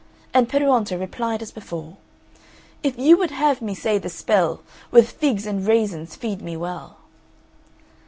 And Peruonto replied as before "If you would have me say the spell, With figs and raisins feed me well!"